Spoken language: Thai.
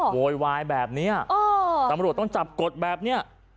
โวยวายแบบนี้ตำรวจต้องจับกดแบบนี้